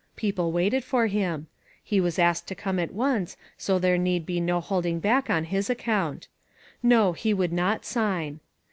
People waited for him. He was asked to come at once, so there need be no holding back on his account. No, he would not sign.